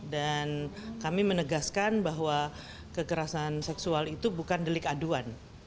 dan kami menegaskan bahwa kekerasan seksual itu bukan delik aduan